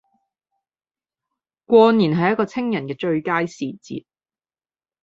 過年係一個清人既最佳時節